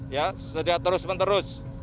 ya setiap terus menerus